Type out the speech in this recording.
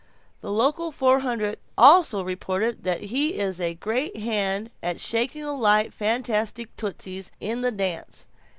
The local Four Hundred also report that he is a great hand at shaking the light fantastic tootsies in the dance.